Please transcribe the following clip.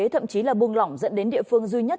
thậm chí là buông lỏng dẫn đến địa phương duy nhất